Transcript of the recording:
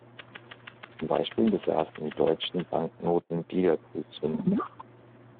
Zum Beispiel besaßen die deutschen Banknoten Dieder-Prüfsummen.